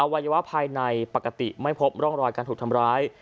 วัยวะภายในปกติไม่พบร่องรอยการถูกทำร้าย